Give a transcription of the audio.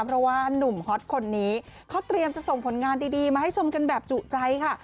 เพราะว่านุ่มฮอตคนนี้เขาเตรียมจะส่งผลงานดีมาให้ชมกันแบบจุใจค่ะ